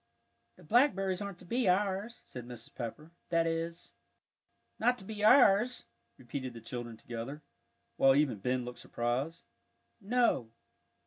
"The blackberries aren't to be ours," said Mrs. Pepper; "that is " "Not to be ours," repeated the children together, while even Ben looked surprised. "No."